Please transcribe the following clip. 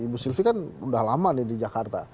ibu sylvi kan udah lama nih di jakarta